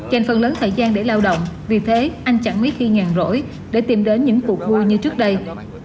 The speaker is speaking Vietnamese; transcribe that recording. dành phần lớn thời gian để lao động vì thế anh chẳng mấy khi nhàn rỗi để tìm đến những cuộc vui như trước đây